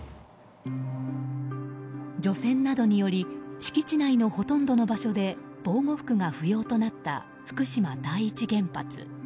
除染などにより敷地内のほとんどの場所で防護服が不要となった福島第一原発。